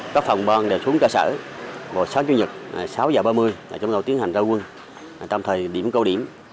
các phòng ban đều xuống ca sở vào sáng chủ nhật sáu h ba mươi để chúng tôi tiến hành ra quân trong thời điểm câu điểm